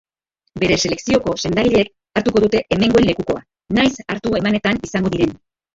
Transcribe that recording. Bere selekzioko sendagileek hartuko dute hemengoen lekukoa, nahiz hartu emanetan izango diren.